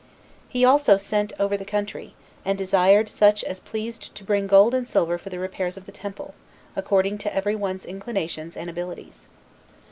He also sent over all the country, and desired such as pleased to bring gold and silver for the repairs of the temple, according to every one's inclinations and abilities.